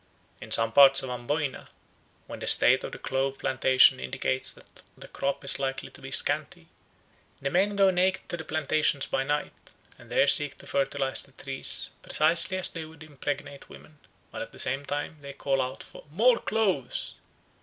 In some parts of Amboyna, when the state of the clove plantation indicates that the crop is likely to be scanty, the men go naked to the plantations by night, and there seek to fertilise the trees precisely as they would impregnate women, while at the same time they call out for "More cloves!"